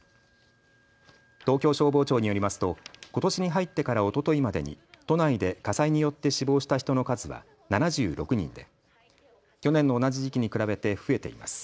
東京消防庁によりますとことしに入ってからおとといまでに都内で火災によって死亡した人の数は７６人で去年の同じ時期に比べて増えています。